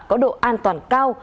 có độ an toàn cao